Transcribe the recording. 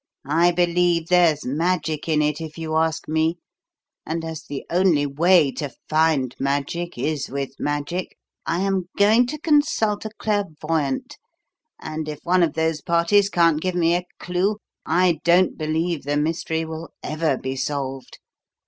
I believe there's magic in it, if you ask me; and as the only way to find magic is with magic, I am going to consult a clairvoyante, and if one of those parties can't give me a clue, I don't believe the mystery will ever be solved.